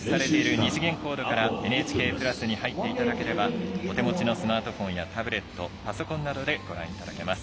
２次元コードからＮＨＫプラスに入っていただければお手持ちのスマートフォンやタブレットパソコンなどでご覧いただけます。